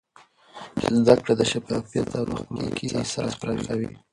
زده کړه د شفافیت او د خپلواکۍ احساس پراخوي.